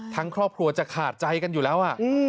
ครอบครัวจะขาดใจกันอยู่แล้ว